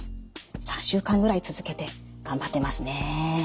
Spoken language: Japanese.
３週間ぐらい続けて頑張ってますね。